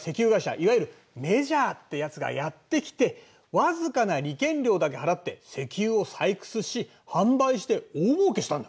いわゆるメジャーってやつがやって来て僅かな利権料だけ払って石油を採掘し販売して大もうけしたんだ。